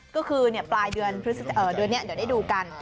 ก็คือปลายเดือนนี้เดี๋ยวได้ดูกัน